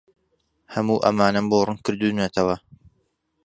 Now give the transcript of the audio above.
هەموو ئەمانەم بۆ ڕوون کردوونەتەوە.